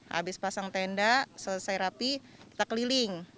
habis pasang tenda selesai rapi kita keliling